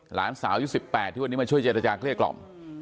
หลานสาวยุค๑๘ที่วันนี้มาช่วยเจรจาเกลี้ยกล่อม